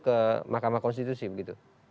ke mahkamah konstitusi begitu